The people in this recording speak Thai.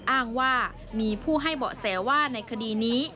อ้างว่ามีผู้ให้เบาะแสว่าในคดีนี้